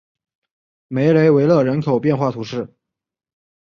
梅雷维勒人口变化图示